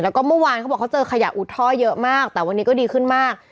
แล้วก็เมื่อวานเขาบอกเขาเจอขยะอุดท่อเยอะมากแต่วันนี้ก็ดีขึ้นมาก